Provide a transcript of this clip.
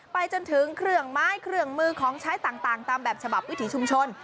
ไปจนถึงเครื่องไม้เครื่องมือของใช้ต่างตามแบบฉบับวิถีชุมชน